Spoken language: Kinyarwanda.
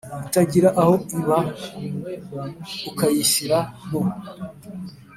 itagira aho iba ukayishyira mu